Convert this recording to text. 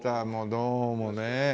どうもね。